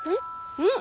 うん！